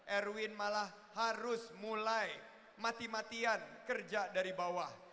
erwin malah harus mulai mati matian kerja dari bawah